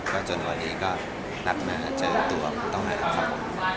ก็จนวันนี้ก็นัดมาเจอตัวผู้ต้องหาแล้วครับ